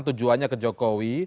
tujuannya ke jokowi